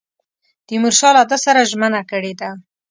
تیمورشاه له ده سره ژمنه کړې ده.